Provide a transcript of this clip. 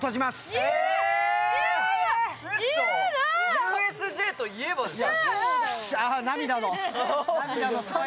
ＵＳＪといえばですよ。